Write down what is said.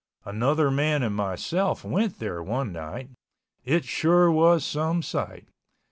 Another man and myself went there one night. It sure was some sight.